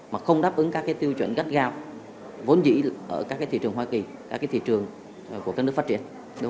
mà không đáp ứng các tiêu chuẩn gắt gao vốn dĩ ở các thị trường hoa kỳ các thị trường của các nước phát triển